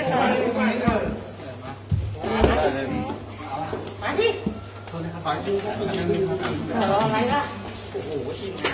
ได้เลยครับ